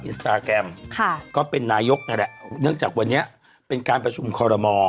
อินสตาแกรมค่ะก็เป็นนายกนั่นแหละเนื่องจากวันนี้เป็นการประชุมคอรมอ